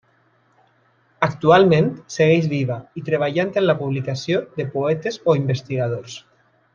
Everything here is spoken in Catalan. Actualment, segueix viva i treballant en la publicació de poetes o investigadors.